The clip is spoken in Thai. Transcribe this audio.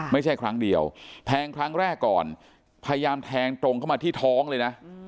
ไม่ใช่ครั้งเดียวแทงครั้งแรกก่อนพยายามแทงตรงเข้ามาที่ท้องเลยนะ